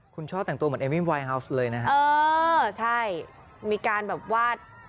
คุณชอบแต่งตัวเหมือนเอมินไวฮาวส์เลยนะฮะเออใช่มีการแบบว่า